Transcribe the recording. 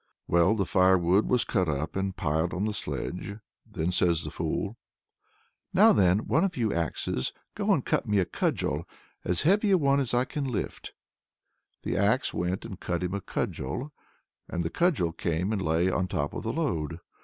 Well, the firewood was cut up and piled on the sledge. Then says the fool: "Now then, one of you axes! go and cut me a cudgel, as heavy a one as I can lift." The axe went and cut him a cudgel, and the cudgel came and lay on top of the load.